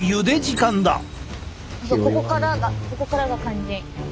ここからがここからが肝心。